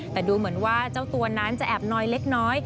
แต่ดูเหมือนว่าเจ้าตัวนั้นจะแอบน้อยเล็กน้อย